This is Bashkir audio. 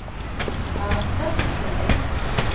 Ә аҫта - шишмәлек.